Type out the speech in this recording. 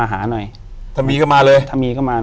อยู่ที่แม่ศรีวิรัยิลครับ